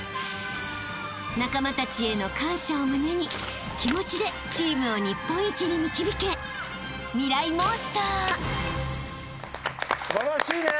［仲間たちへの感謝を胸に気持ちでチームを日本一に導け］素晴らしいね。